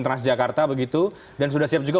transjakarta begitu dan sudah siap juga